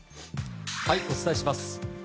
お伝えします。